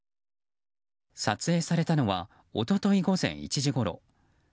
撮影されたのはおととい午前１時ごろ。